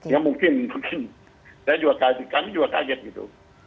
ya mungkin mungkin saya juga kami juga kaget gitu